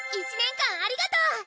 １年間ありがとう！